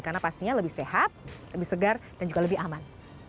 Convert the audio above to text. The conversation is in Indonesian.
karena pastinya lebih sehat lebih segar dan juga lebih aman